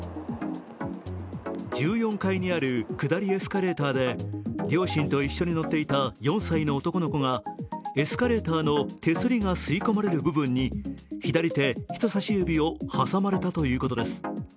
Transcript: １４階にある下りエスカレーターで両親と一緒に乗っていた４歳の男の子がエスカレーターの手すりが吸い込まれる部分に、左手人差し指を挟まれたということです。